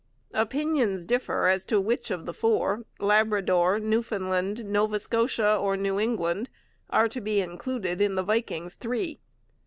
Opinions differ as to which of the four Labrador, Newfoundland, Nova Scotia, or New England are to be included in the Vikings' three.